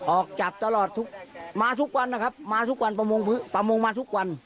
ออกจับตลอดทุกมาทุกวันนะครับมาทุกวันประมงมาทุกวัน